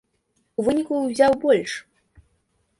У выніку ўзяў больш!